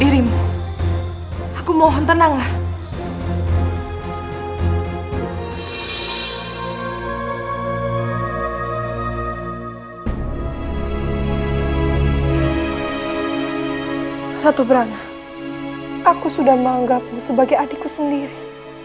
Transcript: ratu brangga aku sudah menganggapmu sebagai adikku sendiri